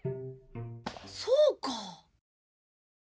そうか！